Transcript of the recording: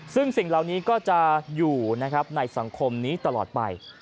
ซึ่งสิ่งเหล่านี้ก็จะอยู่ในสังคมนี้ตลอดไป